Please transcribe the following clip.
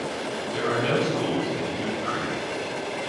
There are no schools in Deep Creek.